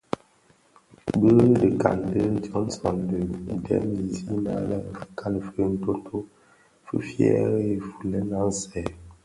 Bi dhikan di Johnson ti dhem zina lè fikali fi ntonto fi fyèri nfulèn aň sèè.